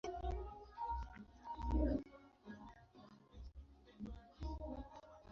Uko katika kaskazini-magharibi ya nchi.